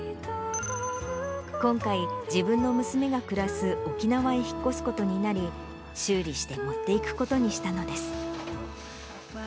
今回、自分の娘が暮らす沖縄へ引っ越すことになり、修理して持っていくことにしたのです。